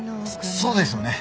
そそうですよね。